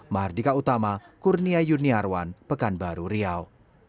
mahardika utama kurnia yuniarwan pekanbaru riau